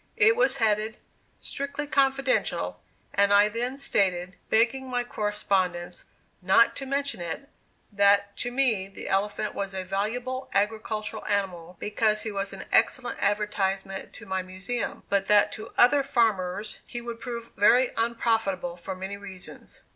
It was headed "strictly confidential," and I then stated, begging my correspondents "not to mention it," that to me the elephant was a valuable agricultural animal, because he was an excellent [Illustration: ELEPHANTINE AGRICULTURE.] advertisement to my Museum; but that to other farmers he would prove very unprofitable for many reasons.